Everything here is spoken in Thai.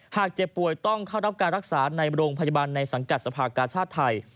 เจ็บป่วยต้องเข้ารับการรักษาในโรงพยาบาลในสังกัดสภากาชาติไทย